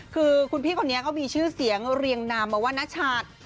คือคุณพี่คนนี้เขามีชื่อเสียงเรียงนามมาว่าณชาติ